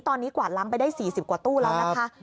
ตอนนี้กวาดล้างไปได้๔๐กว่าตู้แล้วนะคะ